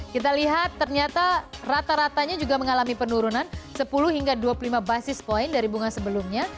kita lihat ternyata rata ratanya juga mengalami penurunan sepuluh hingga dua puluh lima basis point dari bunga sebelumnya